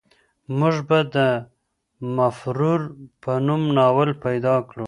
موږ به د مفرور په نوم ناول پیدا کړو.